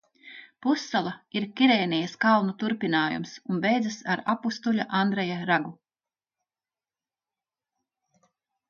Pussala ir Kirēnijas kalnu turpinājums un beidzas ar Apustuļa Andreja ragu.